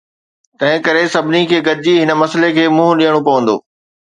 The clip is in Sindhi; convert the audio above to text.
تنهنڪري سڀني کي گڏجي هن مسئلي کي منهن ڏيڻو پوندو.